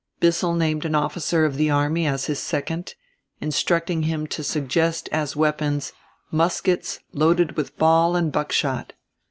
Bissell named an officer of the army as his second, instructing him to suggest as weapons "muskets, loaded with ball and buckshot."